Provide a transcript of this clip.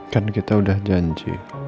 kan kita udah janji